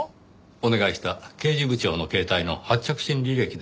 お願いした刑事部長の携帯の発着信履歴ですよ。